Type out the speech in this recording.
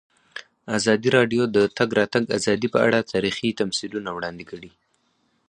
ازادي راډیو د د تګ راتګ ازادي په اړه تاریخي تمثیلونه وړاندې کړي.